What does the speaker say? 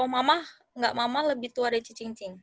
oh mama enggak mama lebih tua dari cicingcing